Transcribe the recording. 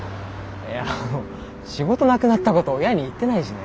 いやあの仕事なくなったこと親に言ってないしね。